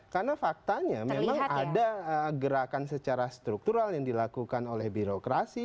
karena faktanya memang ada gerakan secara struktural yang dilakukan oleh birokrasi